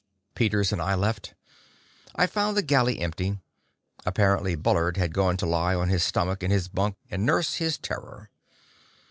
Peters and I left. I found the galley empty. Apparently Bullard had gone to lie on his stomach in his bunk and nurse his terror.